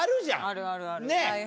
あるあるある。